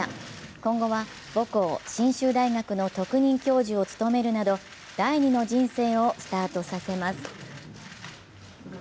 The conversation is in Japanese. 今後は母校・信州大学の特任教授を務めるなど第二の人生をスタートさせます。